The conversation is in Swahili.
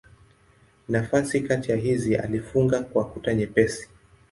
Nafasi kati ya hizi alifunga kwa kuta nyepesi.